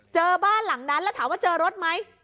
เจอบ้านหลังนั้นแล้วถามว่าเจอรถไหม